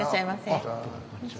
どうもこんにちは。